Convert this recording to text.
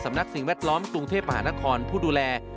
นักสิ่งแวดล้อมกรุงเทพมหานครผู้ดูแล